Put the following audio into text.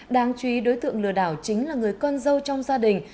đáng chú ý đối tượng lừa đảo chính là người con dâu trong gia đình